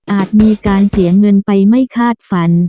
มีการเสียเงินไปไม่คาดฝัน